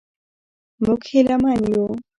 موږ هیله من یو.